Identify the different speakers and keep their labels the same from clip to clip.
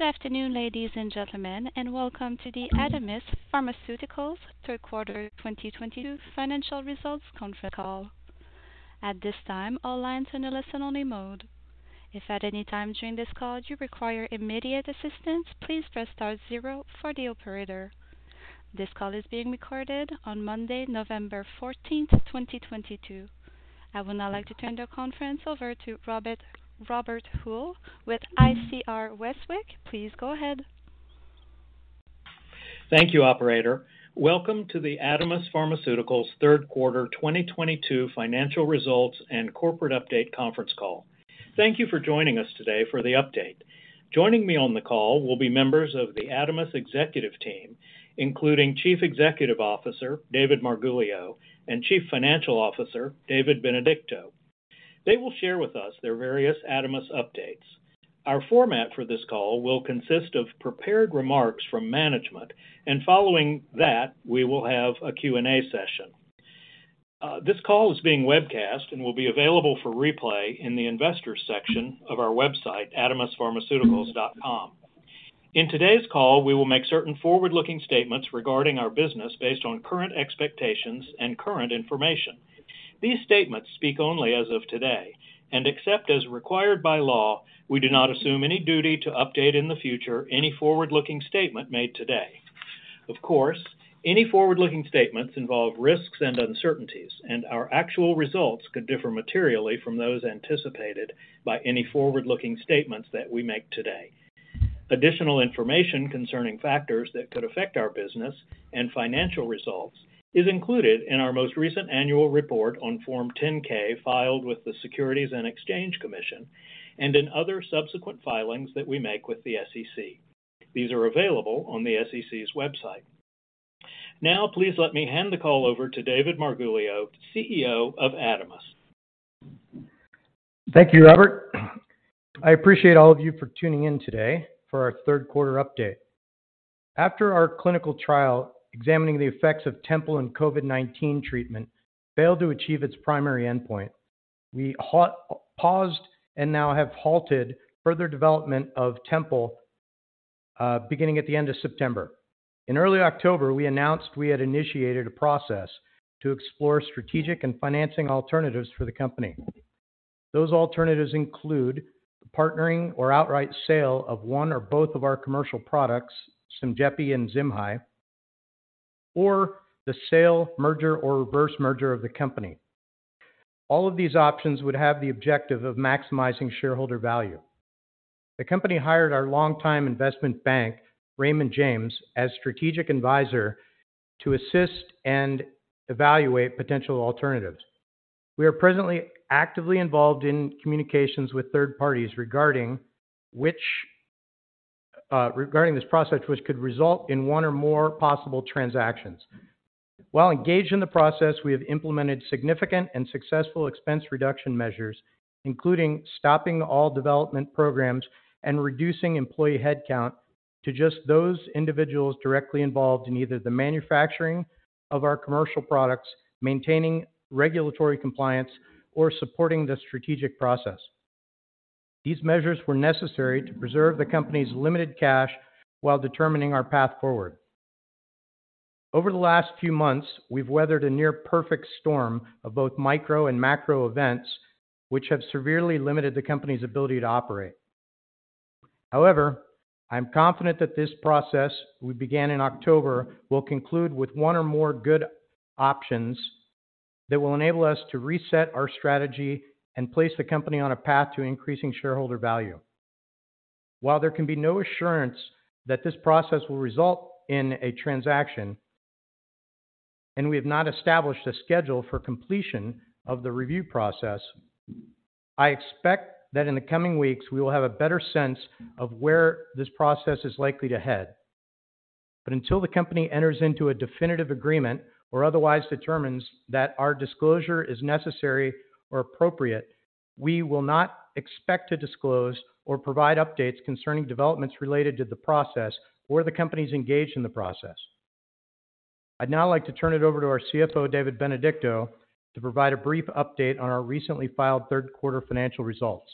Speaker 1: Good afternoon, ladies and gentlemen, and welcome to the Adamis Pharmaceuticals third quarter 2022 financial results conference call. At this time, all lines in a listen-only mode. If at any time during this call you require immediate assistance, please press star zero for the operator. This call is being recorded on Monday, November 14th, 2022. I would now like to turn the conference over to Robert Uhl with ICR Westwicke. Please go ahead.
Speaker 2: Thank you, operator. Welcome to the Adamis Pharmaceuticals third quarter 2022 financial results and corporate update conference call. Thank you for joining us today for the update. Joining me on the call will be members of the Adamis executive team, including Chief Executive Officer David Marguglio; and Chief Financial Officer David Benedicto. They will share with us their various Adamis updates. Our format for this call will consist of prepared remarks from management, and following that, we will have a Q&A session. This call is being webcast and will be available for replay in the investors section of our website, adamispharmaceuticals.com. In today's call, we will make certain forward-looking statements regarding our business based on current expectations and current information. These statements speak only as of today, and except as required by law, we do not assume any duty to update in the future any forward-looking statement made today. Of course, any forward-looking statements involve risks and uncertainties, and our actual results could differ materially from those anticipated by any forward-looking statements that we make today. Additional information concerning factors that could affect our business and financial results is included in our most recent annual report on Form 10-K filed with the Securities and Exchange Commission and in other subsequent filings that we make with the SEC. These are available on the SEC's website. Now please let me hand the call over to David Marguglio, CEO of Adamis.
Speaker 3: Thank you, Robert. I appreciate all of you for tuning in today for our third quarter update. After our clinical trial examining the effects of Tempol COVID-19 treatment failed to achieve its primary endpoint, we have paused and now have halted further development of Tempol, beginning at the end of September. In early October, we announced we had initiated a process to explore strategic and financing alternatives for the company. Those alternatives include the partnering or outright sale of one or both of our commercial products, SYMJEPI and ZIMHI, or the sale, merger or reverse merger of the company. All of these options would have the objective of maximizing shareholder value. The company hired our longtime investment bank, Raymond James, as strategic advisor to assist and evaluate potential alternatives. We are presently actively involved in communications with third parties regarding which. Regarding this process, which could result in one or more possible transactions. While engaged in the process, we have implemented significant and successful expense reduction measures, including stopping all development programs and reducing employee headcount to just those individuals directly involved in either the manufacturing of our commercial products, maintaining regulatory compliance, or supporting the strategic process. These measures were necessary to preserve the company's limited cash while determining our path forward. Over the last few months, we've weathered a near perfect storm of both micro and macro events, which have severely limited the company's ability to operate. However, I'm confident that this process we began in October will conclude with one or more good options that will enable us to reset our strategy and place the company on a path to increasing shareholder value. While there can be no assurance that this process will result in a transaction, and we have not established a schedule for completion of the review process, I expect that in the coming weeks we will have a better sense of where this process is likely to head. Until the company enters into a definitive agreement or otherwise determines that our disclosure is necessary or appropriate, we will not expect to disclose or provide updates concerning developments related to the process where the company is engaged in the process. I'd now like to turn it over to our CFO, David Benedicto, to provide a brief update on our recently filed third quarter financial results.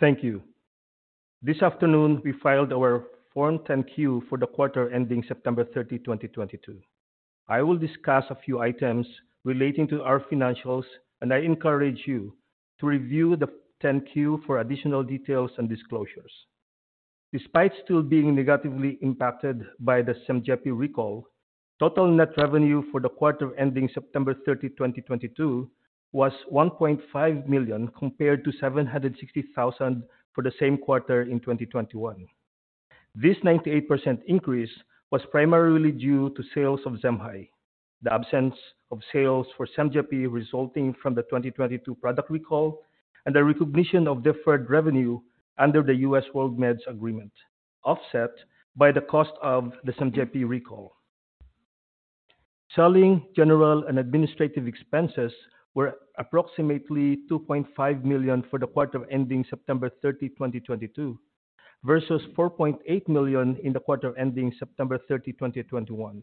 Speaker 4: Thank you. This afternoon, we filed our Form 10-Q for the quarter ending September 30, 2022. I will discuss a few items relating to our financials, and I encourage you to review the 10-Q for additional details and disclosures. Despite still being negatively impacted by the SYMJEPI recall, total net revenue for the quarter ending September 30, 2022 was $1.5 million, compared to $760,000 for the same quarter in 2021. This 98% increase was primarily due to sales of ZIMHI. The absence of sales for SYMJEPI resulting from the 2022 product recall and the recognition of deferred revenue under the US WorldMeds agreement, offset by the cost of the SYMJEPI recall. Selling, general and administrative expenses were approximately $2.5 million for the quarter ending September 30, 2022 versus $4.8 million in the quarter ending September 30, 2021.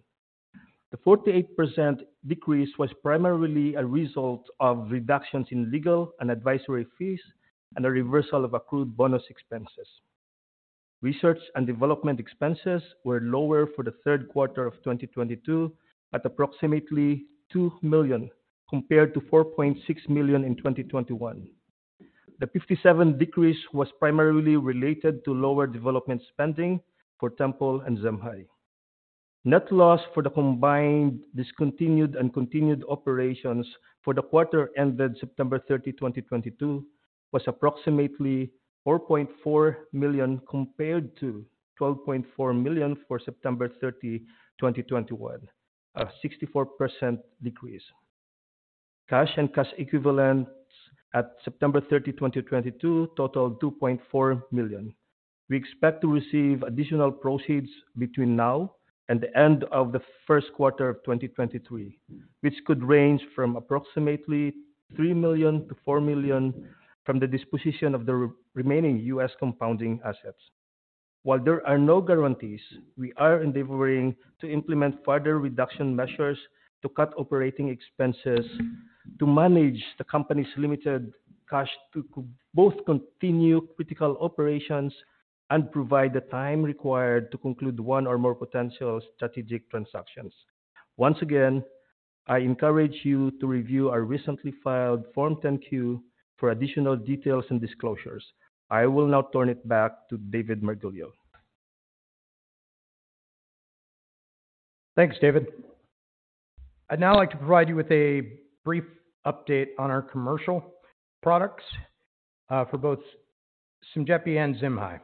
Speaker 4: The 48% decrease was primarily a result of reductions in legal and advisory fees and a reversal of accrued bonus expenses. Research and development expenses were lower for the third quarter of 2022 at approximately $2 million, compared to $4.6 million in 2021. The 57% decrease was primarily related to lower development spending for Tempol and ZIMHI. Net loss for the combined discontinued and continuing operations for the quarter ended September 30, 2022 was approximately $4.4 million, compared to $12.4 million for September 30, 2021. A 64% decrease. Cash and cash equivalents at September 30, 2022 total $2.4 million. We expect to receive additional proceeds between now and the end of the first quarter of 2023, which could range from approximately $3 million-$4 million from the disposition of the remaining U.S. Compounding assets. While there are no guarantees, we are endeavoring to implement further reduction measures to cut operating expenses to manage the company's limited cash to both continue critical operations and provide the time required to conclude one or more potential strategic transactions. Once again, I encourage you to review our recently filed Form 10-Q for additional details and disclosures. I will now turn it back to David Marguglio.
Speaker 3: Thanks, David. I'd now like to provide you with a brief update on our commercial products for both SYMJEPI and ZIMHI.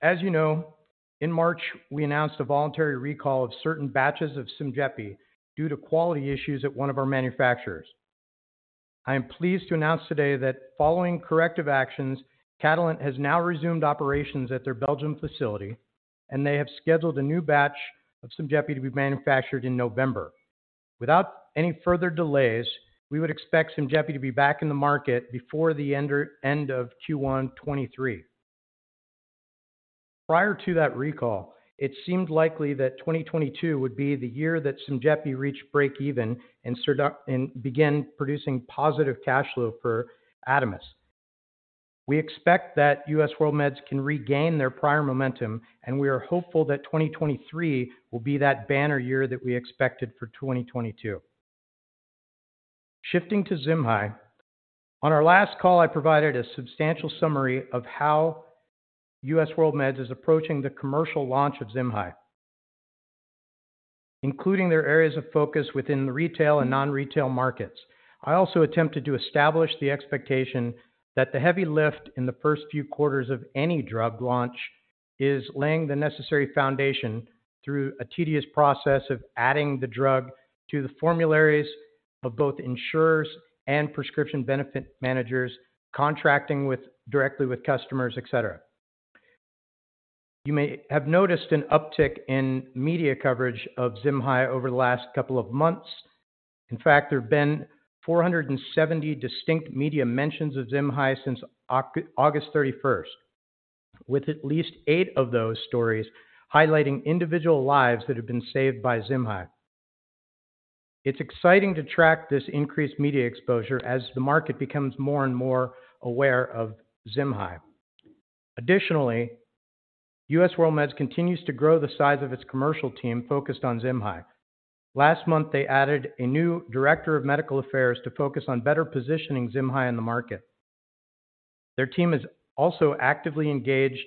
Speaker 3: As you know, in March, we announced a voluntary recall of certain batches of SYMJEPI due to quality issues at one of our manufacturers. I am pleased to announce today that following corrective actions, Catalent has now resumed operations at their Belgian facility, and they have scheduled a new batch of SYMJEPI to be manufactured in November. Without any further delays, we would expect SYMJEPI to be back in the market before the end of Q1 2023. Prior to that recall, it seemed likely that 2022 would be the year that SYMJEPI reached breakeven and began producing positive cash flow for Adamis. We expect that US WorldMeds can regain their prior momentum, and we are hopeful that 2023 will be that banner year that we expected for 2022. Shifting to ZIMHI. On our last call, I provided a substantial summary of how US WorldMeds is approaching the commercial launch of ZIMHI, including their areas of focus within the retail and non-retail markets. I also attempted to establish the expectation that the heavy lift in the first few quarters of any drug launch is laying the necessary foundation through a tedious process of adding the drug to the formularies of both insurers and prescription benefit managers, contracting directly with customers, et cetera. You may have noticed an uptick in media coverage of ZIMHI over the last couple of months. In fact, there have been 470 distinct media mentions of ZIMHI since August thirty-first, with at least eight of those stories highlighting individual lives that have been saved by ZIMHI. It's exciting to track this increased media exposure as the market becomes more and more aware of ZIMHI. Additionally, US WorldMeds continues to grow the size of its commercial team focused on ZIMHI. Last month, they added a new director of medical affairs to focus on better positioning ZIMHI in the market. Their team is also actively engaged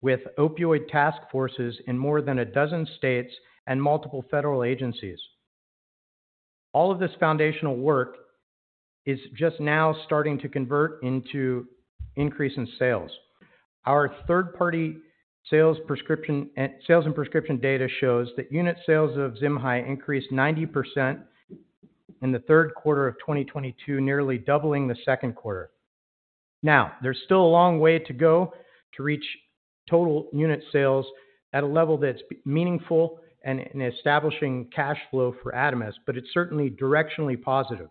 Speaker 3: with opioid task forces in more than a dozen states and multiple federal agencies. All of this foundational work is just now starting to convert into increase in sales. Our third-party sales and prescription data shows that unit sales of ZIMHI increased 90% in the third quarter of 2022, nearly doubling the second quarter. Now, there's still a long way to go to reach total unit sales at a level that's meaningful and establishing cash flow for Adamis, but it's certainly directionally positive.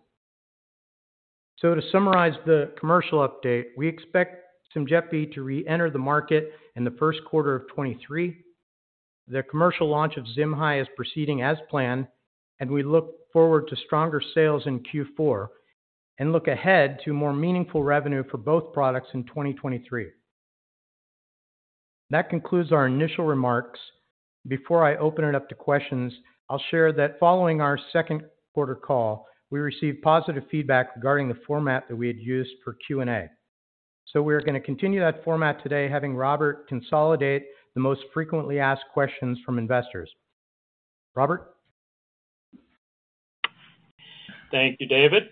Speaker 3: To summarize the commercial update, we expect SYMJEPI to reenter the market in the first quarter of 2023. The commercial launch of ZIMHI is proceeding as planned, and we look forward to stronger sales in Q4 and look ahead to more meaningful revenue for both products in 2023. That concludes our initial remarks. Before I open it up to questions, I'll share that following our second quarter call, we received positive feedback regarding the format that we had used for Q&A. We're gonna continue that format today, having Robert consolidate the most frequently asked questions from investors. Robert.
Speaker 2: Thank you, David.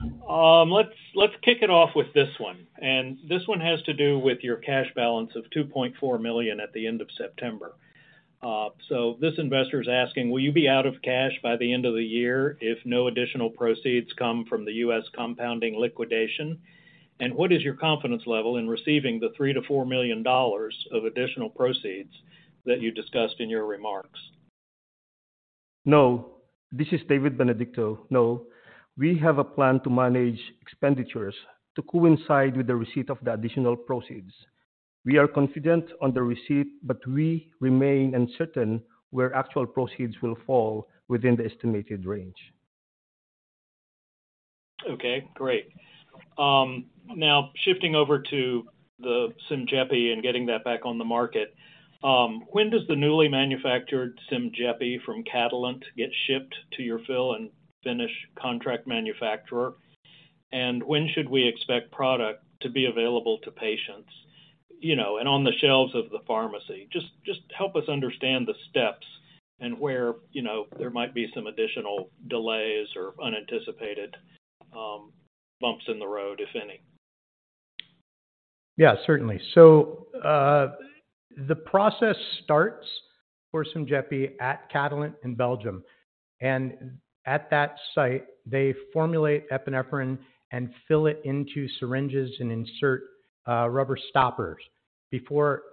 Speaker 2: Let's kick it off with this one, and this one has to do with your cash balance of $2.4 million at the end of September. This investor is asking, "Will you be out of cash by the end of the year if no additional proceeds come from the U.S. Compounding liquidation? And what is your confidence level in receiving the $3 million-$4 million of additional proceeds that you discussed in your remarks?
Speaker 4: No. This is David Benedicto. No. We have a plan to manage expenditures to coincide with the receipt of the additional proceeds.
Speaker 3: We are confident on the receipt, but we remain uncertain where actual proceeds will fall within the estimated range.
Speaker 2: Okay, great. Now shifting over to the ZIMHI and getting that back on the market. When does the newly manufactured ZIMHI from Catalent get shipped to your fill and finish contract manufacturer? And when should we expect product to be available to patients, you know, and on the shelves of the pharmacy? Just help us understand the steps and where, you know, there might be some additional delays or unanticipated bumps in the road, if any.
Speaker 3: Yeah, certainly. The process starts for ZIMHI at Catalent in Belgium, and at that site they formulate epinephrine and fill it into syringes and insert rubber stoppers. Before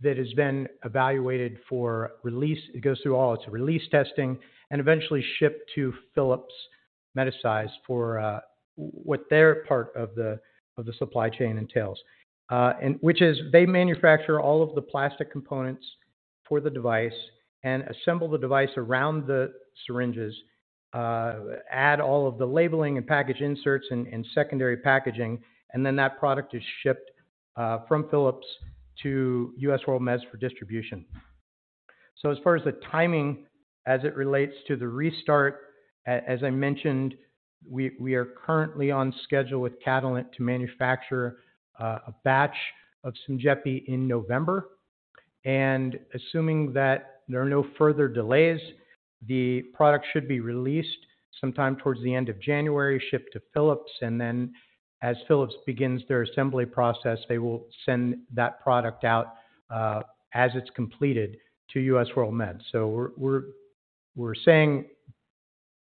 Speaker 3: that has been evaluated for release, it goes through all its release testing and eventually shipped to Phillips-Medisize for what their part of the supply chain entails. And which is they manufacture all of the plastic components for the device and assemble the device around the syringes, add all of the labeling and package inserts in secondary packaging, and then that product is shipped from Phillips-Medisize to US WorldMeds for distribution. As far as the timing as it relates to the restart, as I mentioned, we are currently on schedule with Catalent to manufacture a batch of ZIMHI in November. Assuming that there are no further delays, the product should be released sometime towards the end of January, shipped to Phillips-Medisize, and then as Phillips-Medisize begins their assembly process, they will send that product out, as it's completed to US WorldMeds. We're saying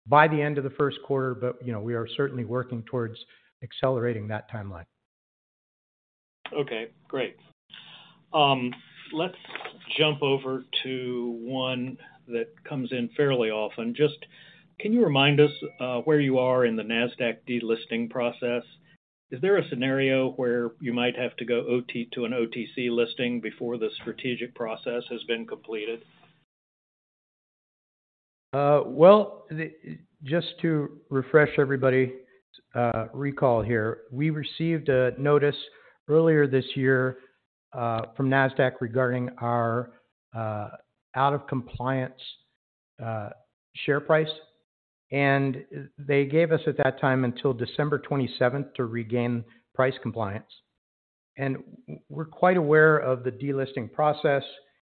Speaker 3: by the end of the first quarter, but, you know, we are certainly working towards accelerating that timeline.
Speaker 2: Okay, great. Let's jump over to one that comes in fairly often. Just can you remind us where you are in the Nasdaq delisting process? Is there a scenario where you might have to go to an OTC listing before the strategic process has been completed?
Speaker 3: Well, just to refresh everybody, recall here. We received a notice earlier this year from Nasdaq regarding our out of compliance share price. They gave us, at that time, until December 27th to regain price compliance. We're quite aware of the delisting process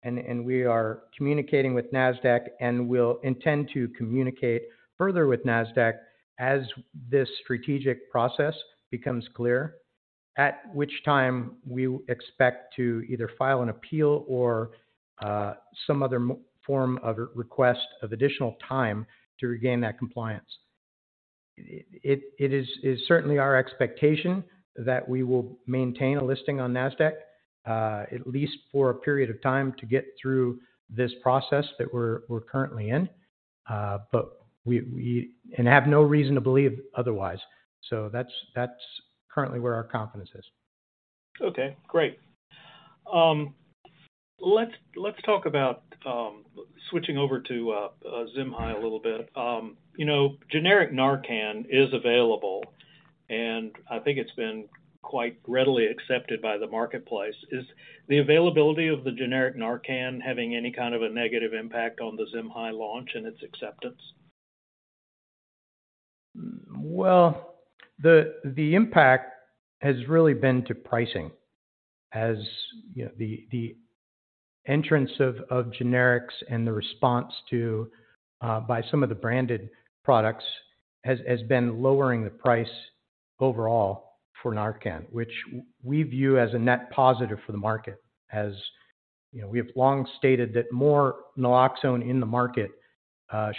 Speaker 3: and we are communicating with Nasdaq and will intend to communicate further with Nasdaq as this strategic process becomes clear, at which time we expect to either file an appeal or some other form of request of additional time to regain that compliance. It is our expectation that we will maintain a listing on Nasdaq at least for a period of time to get through this process that we're currently in. We have no reason to believe otherwise. That's currently where our confidence is.
Speaker 2: Okay, great. Let's talk about switching over to ZIMHI a little bit. You know, generic Narcan is available, and I think it's been quite readily accepted by the marketplace. Is the availability of the generic Narcan having any kind of a negative impact on the ZIMHI launch and its acceptance?
Speaker 3: Well, the impact has really been to pricing as you know, the entrance of generics and the response by some of the branded products has been lowering the price overall for Narcan, which we view as a net positive for the market. As you know, we have long stated that more naloxone in the market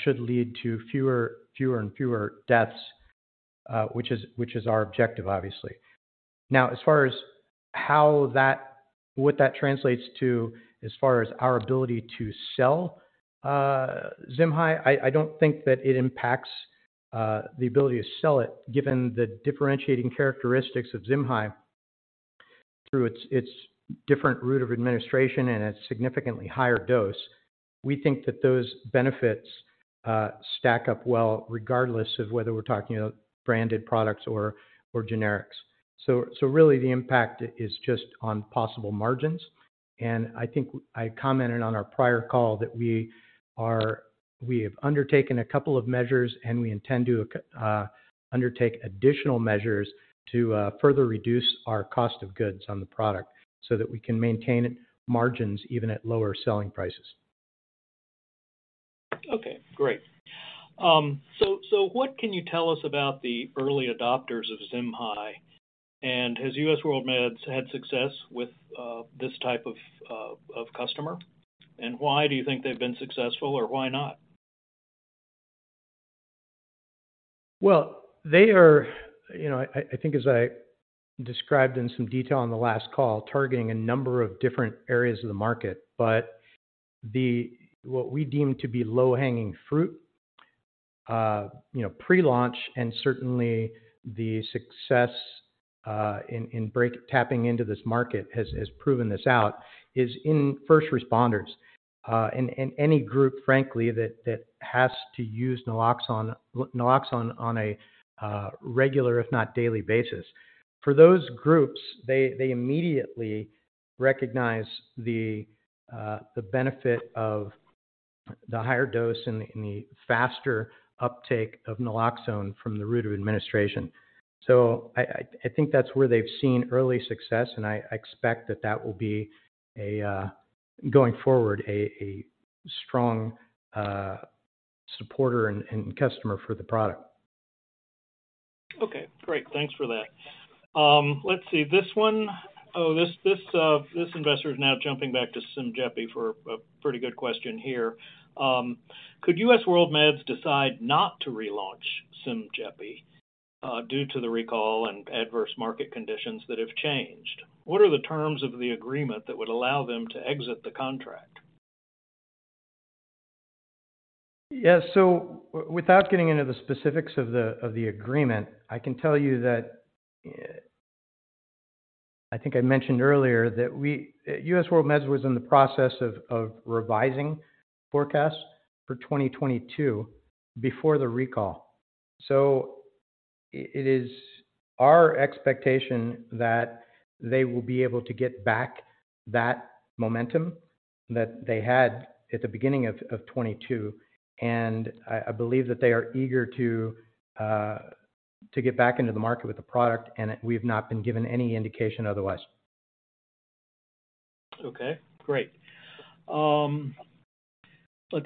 Speaker 3: should lead to fewer and fewer deaths, which is our objective, obviously. Now, as far as what that translates to as far as our ability to sell ZIMHI, I don't think that it impacts the ability to sell it, given the differentiating characteristics of ZIMHI through its different route of administration and its significantly higher dose. We think that those benefits stack up well regardless of whether we're talking about branded products or generics. Really the impact is just on possible margins. I think I commented on our prior call that we have undertaken a couple of measures, and we intend to undertake additional measures to further reduce our cost of goods on the product so that we can maintain margins even at lower selling prices.
Speaker 2: Okay, great. So what can you tell us about the early adopters of ZIMHI? Has US WorldMeds had success with this type of customer? Why do you think they've been successful or why not?
Speaker 3: Well, they are, you know, I think as I described in some detail on the last call, targeting a number of different areas of the market. What we deem to be low-hanging fruit, you know, pre-launch and certainly the success in tapping into this market has proven this out is in first responders. Any group, frankly, that has to use naloxone on a regular if not daily basis. For those groups, they immediately recognize the benefit of the higher dose and the faster uptake of naloxone from the route of administration. I think that's where they've seen early success, and I expect that that will be a going forward, a strong supporter and customer for the product.
Speaker 2: Okay, great. Thanks for that. This investor is now jumping back to SYMJEPI for a pretty good question here. Could US WorldMeds decide not to relaunch SYMJEPI due to the recall and adverse market conditions that have changed? What are the terms of the agreement that would allow them to exit the contract?
Speaker 3: Yeah. Without getting into the specifics of the agreement, I can tell you that I think I mentioned earlier that US WorldMeds was in the process of revising forecasts for 2022 before the recall. It is our expectation that they will be able to get back that momentum that they had at the beginning of 2022, and I believe that they are eager to get back into the market with the product, and we've not been given any indication otherwise.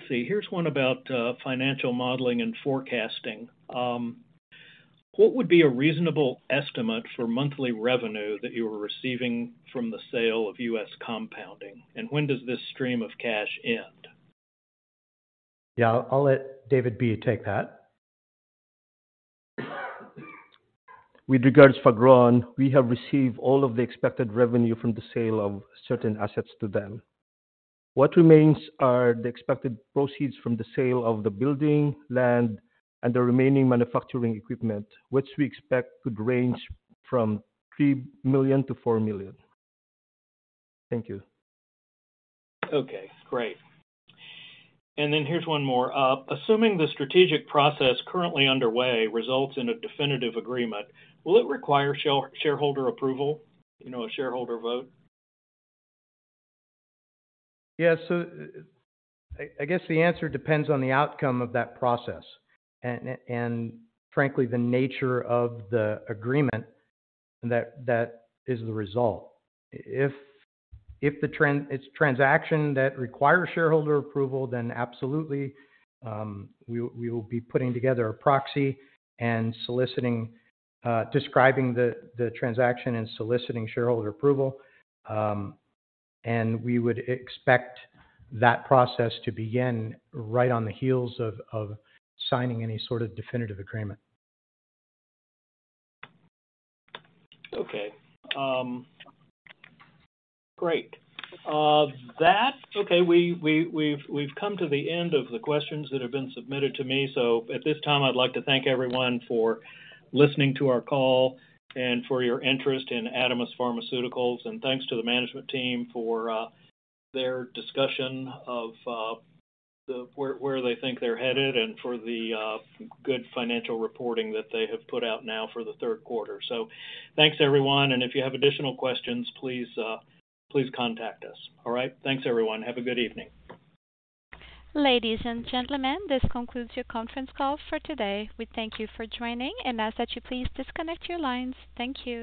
Speaker 2: Here's one about financial modeling and forecasting. What would be a reasonable estimate for monthly revenue that you were receiving from the sale of U.S. Compounding, and when does this stream of cash end?
Speaker 3: Yeah. I'll let David B. take that.
Speaker 4: With regards Fagron, we have received all of the expected revenue from the sale of certain assets to them. What remains are the expected proceeds from the sale of the building, land, and the remaining manufacturing equipment, which we expect could range from $3 million-$4 million. Thank you.
Speaker 2: Okay, great. Here's one more. Assuming the strategic process currently underway results in a definitive agreement, will it require shareholder approval, you know, a shareholder vote?
Speaker 3: Yeah. I guess the answer depends on the outcome of that process and frankly, the nature of the agreement that is the result. If it's a transaction that requires shareholder approval, then absolutely, we will be putting together a proxy and soliciting, describing the transaction and soliciting shareholder approval. We would expect that process to begin right on the heels of signing any sort of definitive agreement.
Speaker 2: Okay. Great. Okay, we've come to the end of the questions that have been submitted to me. At this time, I'd like to thank everyone for listening to our call and for your interest in Adamis Pharmaceuticals. Thanks to the management team for their discussion of where they think they're headed and for the good financial reporting that they have put out now for the third quarter. Thanks, everyone. If you have additional questions, please contact us. All right. Thanks, everyone. Have a good evening.
Speaker 1: Ladies and gentlemen, this concludes your conference call for today. We thank you for joining and ask that you please disconnect your lines. Thank you.